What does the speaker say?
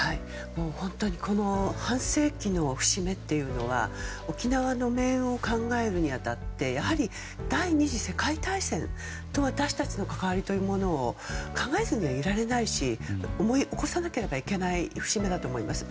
本当に半世紀の節目というのは沖縄の命運を考えるに当たってやはり第２次世界大戦と私たちの関わりというものを考えずにはいられないし思い起こさなければいけない節目だと思います。